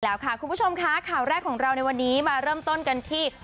แล้วค่ะคุณผู้ชมค่ะข่าวแรกของเราในวันนี้มาเริ่มต้นกันที่